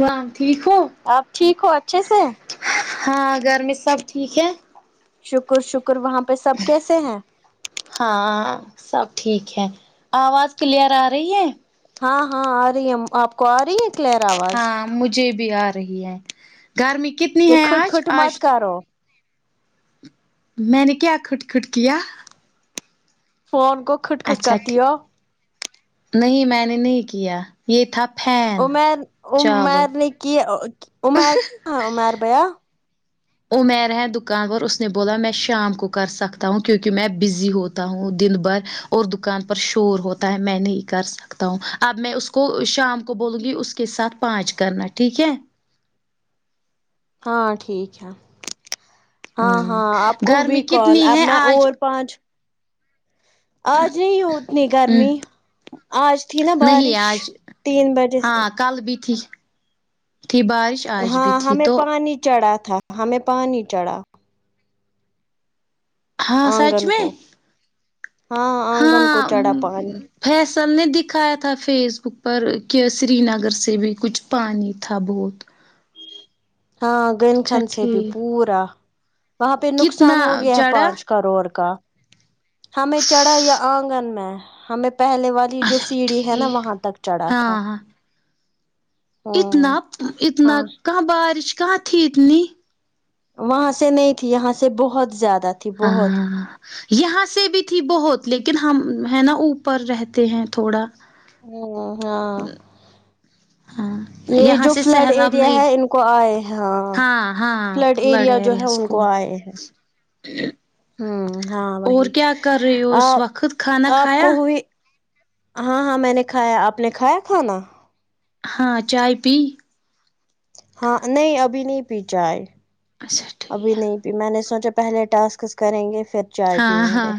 harm ٹھیک ہو آپ ٹھیک ہو اچھے سے ہاں گھر میں سب ٹھیک ہے شکر شکر وہاں پہ سب کیسے ہیں ہاں سب ٹھیک ہے آواز کلیئر آ رہی ہے ہاں ہاں آ رہی ہے آپ کو آ رہی ہے کلیئر آواز ہاں مجھے بھی آ رہی ہے گرمی کتنی یہ ہے کھٹ آج کھٹ آج مت کرو میں نے کیا کھوٹ کھوٹ کیا فون کو کھٹ کھٹ اچھا کرتی ٹھیک ہو نہیں میں نے نہیں کیا یہ تھا پھین عمیر عمیر نے کی ا عمیر ہاں عمیر بھیا عمیر ہے دکان پر اس نے بولا میں شام کو کر سکتا ہوں کیوںکہ میں بزی ہوتا ہوں دن بھر اور دکان پر شور ہوتا ہے میں نہیں کرسک تا ہوں اب میں اس کو شام کو بولوں گی اس کے ساتھ پانچ کرنا ٹھیک ہے ہاں ٹھیک ہے ہاں ہوں ہاں آپ کو گرمی ہوئی کال کتنی اب ہے میں آج اور پانچ آج نہیں اتنی ہوں گرمی آج تھی نا نہیں بارش آج تین بجے سے ہاں کل بھی تھی تھی بارش آج بھی ہاں تھی ہمیں تو پانی چڑھا تھا ہمیں پانی چڑھا ہاں سچ آنگن میں کو ہاں آنگن ہاں کو چڑھا امم پانی فیصل نے دکھایا تھا فیس بک پر کہ سری نگر سے بھی کچھ پانی تھا بہت ہاں گن اچھا خھن سے بھی ٹھیک پورا وہاں پہ نقصان کتنا ہو گیا چڑھا پانچ کروڑ کا ہمیں چڑھا یا آنگن میں ہمیں پہلے والا یہ جو اچھا سیڑھی ہے نا ٹھیک وہاں تک چڑھا تھا ہاں ہاں اتنا ہوں پ اتنا ہاں کہاں بارش کہاں تھی اتنی وہاں سے نہیں تھی یہاں سے بہت زیادہ تھی ہاں بہت ہاں یہاں سے بھی تھی بہت لیکن ہم ہے نا اوپر رہتے ہیں تھوڑا ہوں ہاں ہاں یہ یہاں جو سے فلڈ سیلاب ایریا ہے نہیں ان کو آئے ہاں فلڈ ایریا جو ہے ان کو اے ہے [inaudible] ہوں ہاں اور وہی کیا کر رہے ہو آ اس وقت کھانا آپ کو کھایا ہوئی ہاں ہاں میں نے کھایا آپ نے کھایا کھانا ہاں چائے پی ہاں نہیں ابھی نہیں پی چاہے اچھا ٹھیک ابھی نہیں میں نے سوچا پہلے ٹاسکس کریں گے پھر چائے ہاں پیئیں گے ہاں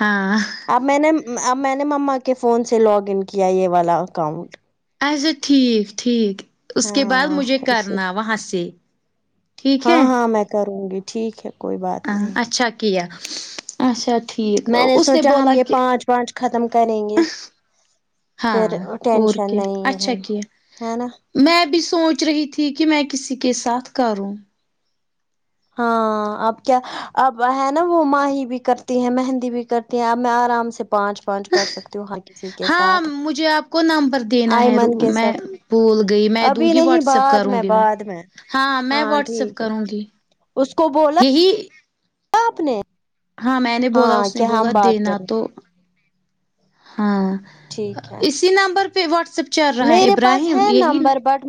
ہاں اب میں نے اب میں نے مما کے فون سے لاگ ان کیا یہ والا اکاؤنٹ اچھا ٹھیک ٹھیک اس کے بعد ہاں مجھے اسے کرنا وہاں سے ٹھیک ہے ہاں ہاں میں کروں گی ٹھیک ہے کوئی بات اں نہیں اچھا کیا اچھا ٹھیک میں اس نے سوچا بولا ہم یہ کہ پانچ پانچ ختم کریں گے آہن ہاں پھر اور ٹینشن کیا نہیں ہے اچھا کیا ہے نا میں بھی سوچ رہی تھی کہ میں کسی کے ساتھ کروں ہاں اب کیا اب ہے نا وہ ماہی بھی کرتی ہے مہندی بھی کر تی میں اب میں آرام سے پانچ پانچ کر سکتی ہوں ہر کسی کے ہاں ساتھ مجھے آپ کو نمبر دینا ہے رو آئمن کے میں ساتھ بھول گئی میں دوں ابھی گی نہیں واٹسپ بعد کروں گی میں بعد ہاں میں واٹسپ ٹھیک ہے کروں گی اس کو بولا یہی آپ نے ہاں میں نے بولا ہاں اس نے کہ ہم بولا بات دینا کریں تو ہاں ٹھیک ہے اسی نمبر پہ واٹسپ چل رہا ہے میرے پاس ابراہیم ہے یہی نا نمبر بٹ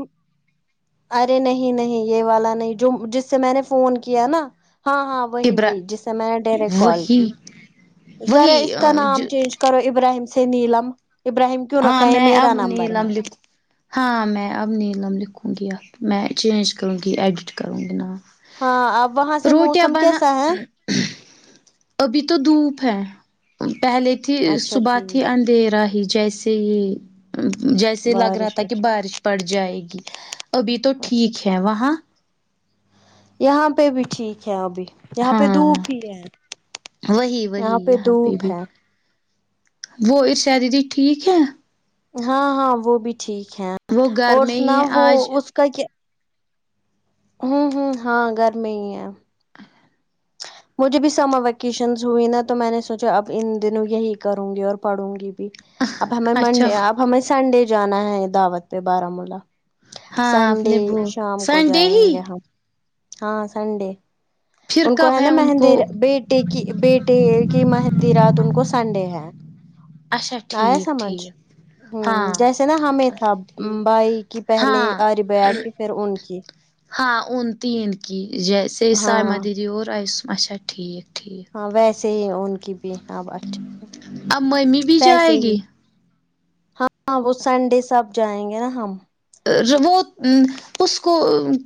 ارے نہیں نہیں یہ والا نہیں جو جس سے میں نے فون کیا نا ہاں ہاں وہی ابرا وہی جس میں نے ڈائریکٹ کال وہی کی ذرا اس کا نام وہی چینج کرو ابراہیم سے نیلم ابراہیم کیوں ہاں رکھا یہ میں اب میرا نمبر ہے نیلم لکھ ہاں میں اب نیلم لکھوں گی ا میں چینج کروں گی ایڈٹ کروں گی نام ہاں اب وہاں سے روٹیاں موسم بنا کیسا ہے ابھی تو دھوپ ہے پہلے تھی اچھا صبح تھی ٹھیک ان دے رہا ہی جیسے ہی جیسے لگ رہا بارش تھا کہ اچھا بارش پڑ جائے گی ابھی تو ٹھیک ہے وہاں یہاں پہ بھی ٹھیک ہے ابھی یہاں پہ ہاں دھوپ ہی ہے وہی وہی یہاں پہ دھوپ بھی ہے وہ ارشاد دیدی ٹھیک ہے ہاں ہاں وہ بھی ٹھیک ہے وہ گھر اور اس میں ہی نا ہے وہ آج اس کا کیا ہوں ہوں ہاں گھر میں ہی ہے ا ہ مجھے بھی سمر ویکیشن ہوئی نا تو میں نے سوچا اب ان دنوں یہی کروں گی اور پڑھوں گی بھی اب ہمیں اچھا منڈے اب ہمیں سنڈے جانا ہے دعوت پہ بارمولہ ہاں آپ سنڈے نے وہ شام کو سنڈے ہی جائیں گے ہم ہاں سنڈے پھر کب ہے ا ان مہندی کو بیٹے کی بیٹے کی مہندی رات ان کو سنڈے ہے اچھا ٹھیک ٹھیک ہون ہاں جیسے نا ہمیں تھا اچھا ٹھیک بھائی کی پہلے ہاں آریف بھیا کی پھر ان کی ہاں اون تین کی جیسے سائمہ ہاں دیدی اور آئیس اچھا ٹھیک ٹھیک ہاں ویسے ہی ان کی بھی اب اچھے سے اب ممی بھی ویسے جائے ہی گی ہاں وہ سنڈے سے اب جائیں گے نا ہم راوہ اس کو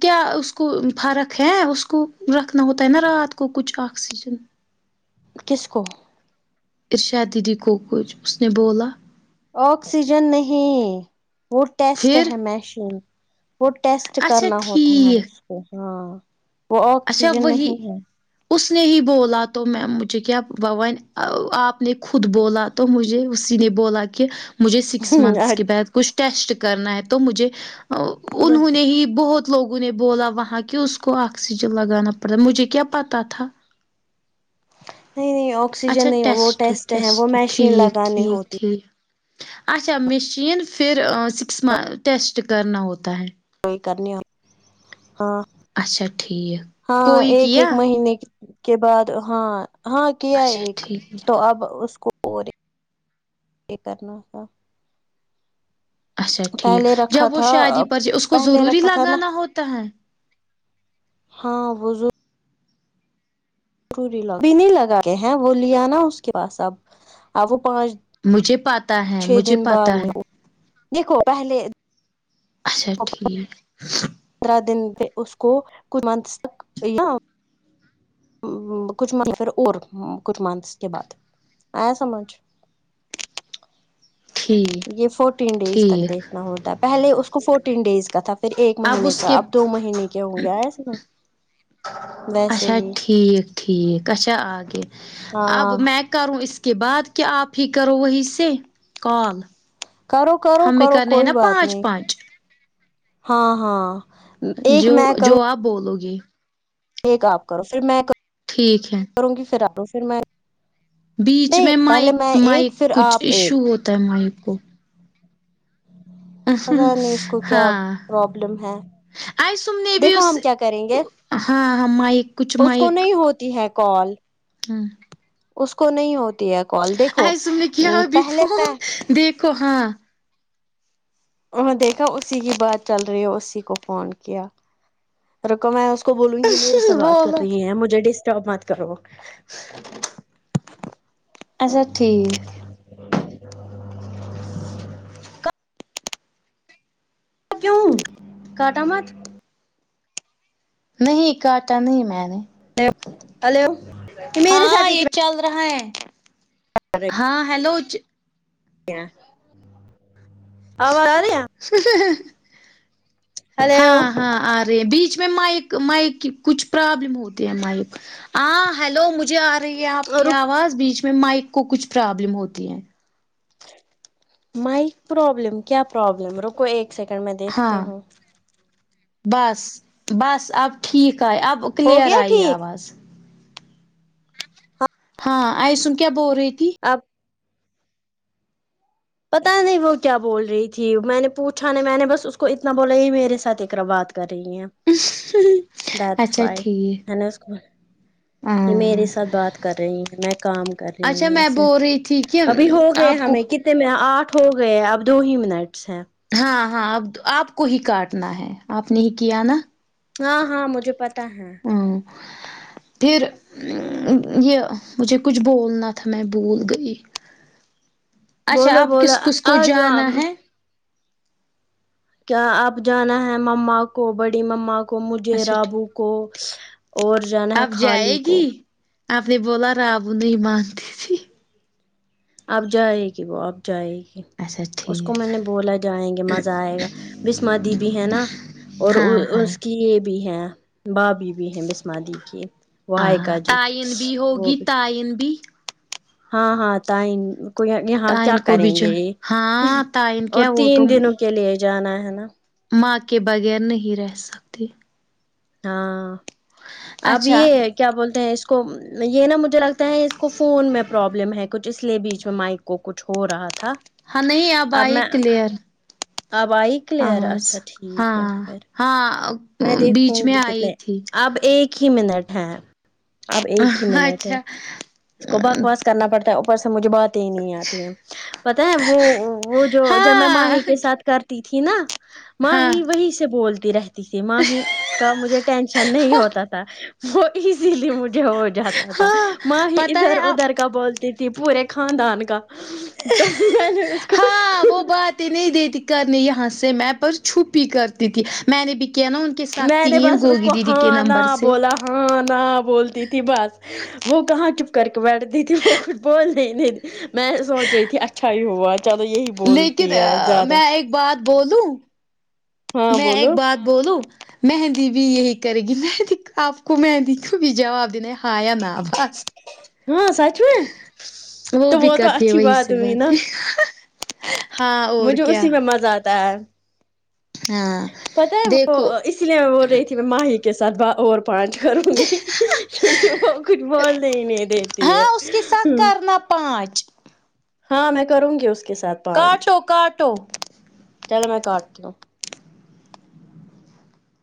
کیا اس کو فرق ہے اس کو رکھنا ہوتا نا رات کو کچھ آکسیجن کس کو ارشاد دیدی کو کچھ اس نے بولا آکسیجن نہیں وہ ٹیسٹ پھر ہے مشین وہ ٹیسٹ اچھا کرنا ہوتا ہے ٹھیک اس کو ہاں وہ اچھا آکسیجن وہی نہیں ہے اس نے ہی بولا تو میں مجھے کیا بون آپ نے خود بولا تو مجھے اسی نے بولا کہ مجھے سکس منتھس آج کے بعد کچھ ٹیسٹ کرنا ہے تو مجھے انہوں نے نہیں ہی بہت لوگوں نے بولا وہاں کہ اس کو آکسیجن لگانا پڑتا مجھے کیا پتا تھا نہیں نہیں اوک اچھا آکسیجن ٹیسٹ ٹیسٹ ٹھیک لگانی ٹھیک ہوتی ٹھیک اچھا میشین پھر سکس منت ٹیسٹ کرنا ہوتا ہے کوئی کرنی ہاں اچھا ٹھیک ہاں کوئی ایک ایک کیا مہینے کی کے بعد ہاں ہاں کیا اچھا ایک ٹھیک تو اب اس کو اور یہ کرنا تھا اچھا ٹھیک پہلے رکھا جب وہ تھا شادی پر اس کو پہلے ضروری رکھا تھا نا لگانا ہوتا ہے ہاں وہ ضرو ری لگا وہ نہیں لگے ہیں وہ لیا نہ اس کے پاس اب وہ پانچ مجھے پاتا ہے چھ مجھے دن بعد پاتا ہے ہوئے دیکھو پہلے اچھا ٹھیک پندرہ دن پے اس کو کچھ مونتس تک ہاں وں کچھ منتھ پھر اور کچھ منتھس کے بعد آیا سمجھ ٹھیک یہ فورٹین ڈیز تک ٹھیک دیکھنا ہوتا ہے پہلے اس کو فورٹین ڈیز کا تھا پھر ایک مہینے اس کا کے اب دو مہینے کیا ہوگیا اس میں اچھا ٹھیک ٹھیک اچھا آگے اب ہاں میں کروں ا اس کے بعد کہ آپ ہی کرو وہی سے کال کرو کرو ہمیں کرو کرنے ہیں کوئی نا بات پانچ نہیں پانچ ہاں ہاں ایک جو میں کروں جو آپ بولو گے ایک آپ کرو پھر میں کروں ٹھیک ہے کروں گی پھر آپ پھر میں بیچ نہیں میں پہلے مائک میں ایک مائک پھر کچھ آپ ایشو ایک ہوتا ہے مائک کو پتا نہیں اس کو کیا ہاں پرابلم ہے آج تم نے بھی دیکھو اس ہم کیا کریں گے ہاں ہاں مائک کچھ اس کو مائک نہیں ہوتی ہے کال ہاں اس کو نہیں ہوتی ہے اب آج تم نے کیا ابھی فون دیکھو ہاں انہیں دیکھا اسی کی بات چل رہی ہے اسی کو فون کیا رکو میں اس کو بولوں گی میرے ساتھ بات کر بولو رہی ہیں مجھے ڈسٹرب مت کرو اچھا ٹھیک کیوں کاٹا مت نہیں کاٹا نہیں میں نے ہیلو ہلو یہ میرے ہاں ساتھ ایک یہ چل رہا ہے ہاں ہیلوچ [unintelligible] آواز آ رہیا ہ ہ ہ ہاں ہلو ہاں آ رہی ہے بیچ میں مائک مائک کی کچھ پرابلم ہوتی ہے مائک ہاں ہیلو مجھے آ رہی ہے آپ کی رک آواز بیچ میں مائک کو کچھ پرابلم ہوتی ہے مائک پرابلم کیا پرابلم رکو ایک سیکنڈ میں دیکھتی ہاں ہوں بس بس اب ٹھیک آئے اب ہو کلیئر گیا آئی ٹھیک آواز ہاں آئسم کیا بول رہی تھی اب پتا نہیں وہ کیا بول رہی تھی میں نے پوچھا نہیں میں نے بس اس کو اتنا بولا یہ میرے ساتھ اقرا بات کر رہی ہیں دٹس اچھا وائے میں ٹھیک نے اسکو بولا یہ میرے ہاں ساتھ بات کر رہی ہیں میں کام کر رہی اچھا ہوں میں وسے بول رہی تھی کہ ابھی ہو گئے آپ کو ہمیں کتنے میں آٹھ ہو گئے ہیں اب دو ہی منٹس ہیں ہاں ہاں اب آپ کو ہی کاٹنا ہے آپ نے ہی کیا نا ہاں ہاں مجھے پتا ہے وں ہا پھر ا یہ مجھے کچھ بولنا تھا میں بھول گئی اچھا بولو آپ بولو کس کس کو آجاؤ امم جانا ہے کیا اب جانا ہے مما کو بڑی مما کو مجھے اچھا ٹھیک رابو کو اور جانا ہے آپ کھالی جائے گی کو آپ نے بولا رابو نہیں مانتی تھی اب جائے گی وہ آب جائے گی اچھا اس کو ٹھیک میں نے بولا جائیں گے مزہ آئے گا بسم دی بھی ہے نا اور ہاں ہاں اس کی یہ بھی ہے بھاھی بھی ہیں بسم دی کی وہ ہاں ہائیکا جی تائین بھی وہ ہوگی بھی تائین بھی ہاں ہاں تائیں کو یہاں کیا تعین کو بھی کریں جو گے یہ ہ ہاں تعین اور کیا وہ تین تو دنوں کے لیے جانا ہے نا ماں کے بغیر نہیں رہ سک تا اب اچھا یہ کیا بولتے ہیں اس کو یہ نا مجھے لگتا ہے اس کو فون میں پرابلم ہے کچھ اس لیے بیچ میں مائک کو کچھ ہو رہا تھا ہاں نہیں اب ائی کلیئر اب آئی کلیئر اچھا آواز ٹھیک ہے ہاں پھر ہاں میں دیکھوں بیچ میں گی آئی کتنے تھی اب ایک ہی منٹ ہے اب ایک ہی منٹ ہے اچھا اس کو بکواس کرنا پڑتا ہے اوپر سے مجھے بات ہی نہیں آتی ہے پتا ہے وہ وہ جو جب میں ہاں ماہی کے ساتھ کرتی تھی نا ہاں ماہی وہی سے بولتی رہ تی تھی ماہی کا مجھے ٹینشن نہیں ہوتا تھا وہ ایزیلی مجھے ہو جاتا تھا ہاں ماہی پتہ ہے ادھر آپ ادھر کا بول تھی پورے خاندان کا تو میں نے اس کو ہاں وہ بات نہیں دیتی کرنی یہاں سے میں پر چھپ ہی کرتی تھی میں نے بھی کیا نہ ان کے ساتھ میں نے تین بس اس گوگی کو دیدی کے ہان نہ نمبر سے بولا ہاں نہ بولتی تھی بس وہ کہاں چپ کر کے بیٹھتی تھی وہ کچھ بول ہی نہیں میں یہ سوچ رہی تھی اچھا ہی ہوا چلو یہی لیکن بولتی ہے زیادہ میں ایک بات بولوں ہاں میں ایک بولو بات بولوں مہندی بھی یہی کرے گی مہندی آپ کو مہندی کو بھی جواب دینا ہے ہاں یا نا بس ہاں سچ میں تو وہ بھی و تو کرتی ہے اچھی وہی بات سے ہوئی نا باتیں ہاں اور مجھے کیا اسی میں مزہ آتا ہے ہاں پتا ہے وہ دیکھو اسی لیے میں بول رہی تھی میں ماہی کے ساتھ با اور پانچ کروں گی کیونکہ وہ کچھ بولنے ہی نہیں دیتی ہے نا پانچ ہاں میں کروں گی اس کے ساتھ کاٹو کاٹو چل میں کاٹتی ہوں